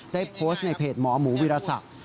ได้โพสต์ในเพจหมอหมูวิรสัก